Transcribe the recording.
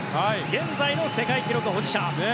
現在の世界記録保持者。